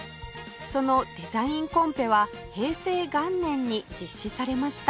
そのデザインコンペは平成元年に実施されました